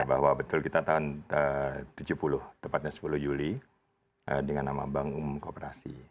bahwa betul kita tahun tujuh puluh tepatnya sepuluh juli dengan nama bank umum kooperasi